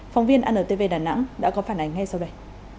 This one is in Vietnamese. phóng viên antv đà nẵng đã có phản ánh ngay sau đây